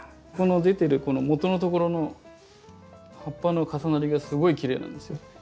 この出てるこのもとのところの葉っぱの重なりがすごいきれいなんですよ。